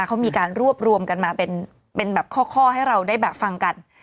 เขามีการรวบรวมกันมาเป็นแบบข้อให้เราได้แบบฟังกัน